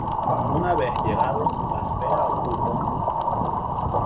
Una vez llegado, la espera oculto.